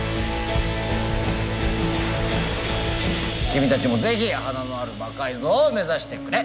君たちもぜひ華のある魔改造を目指してくれ。